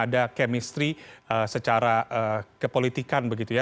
ada chemistry secara kepolitikan begitu ya